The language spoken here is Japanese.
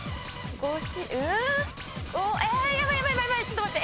ちょっと待って！